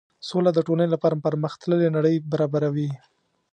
سوله د ټولنې لپاره پرمخ تللې نړۍ برابروي.